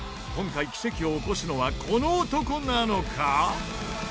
今回奇跡を起こすのはこの男なのか？